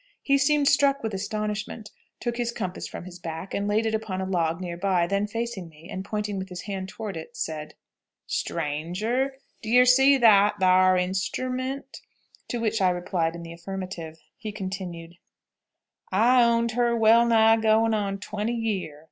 He seemed struck with astonishment, took his compass from his back and laid it upon a log near by, then facing me, and pointing with his hand toward it, said, "Straanger, do yer see that thar instru ment?" to which I replied in the affirmative. He continued, "I've owned her well nigh goin on twenty year.